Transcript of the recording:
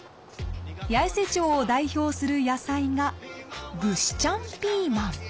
八重瀬町を代表する野菜が具志頭ピーマン。